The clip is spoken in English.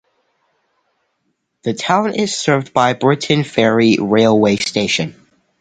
The town is served by Briton Ferry railway station.